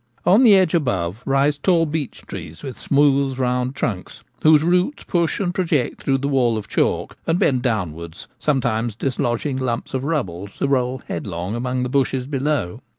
On the edge above rise tall beech trees with smooth round trunks, whose roots push and project through the wall of chalk, and bend downwards, sometimes dislodging lumps of rubble to roll head long among the bushes below.